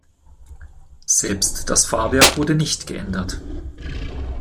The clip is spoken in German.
Selbst das Fahrwerk wurde nicht geändert.